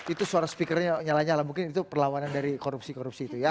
itu suara speakernya nyala nyala mungkin itu perlawanan dari korupsi korupsi itu ya